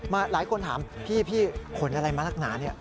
หลายคนถามพี่ขนอะไรมานักหนาเนี่ย